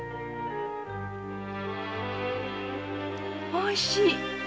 おいしい！